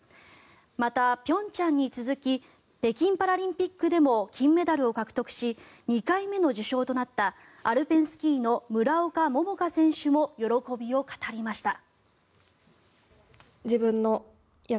また、平昌に続き北京パラリンピックでも金メダルを獲得し２回目の受章となったアルペンスキーの村岡桃佳選手も喜びを語りました。